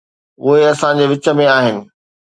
اهي اسان جي وچ ۾ آهن.